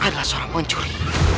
dia adalah seorang pencuri